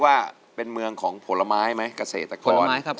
ไม่มีเครื่องครับ